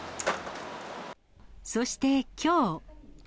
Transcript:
そして、きょう。